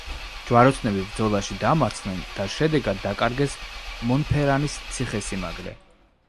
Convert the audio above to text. ჯვაროსნები ბრძოლაში დამარცხდნენ და შედეგად დაკარგეს მონფერანის ციხესიმაგრე.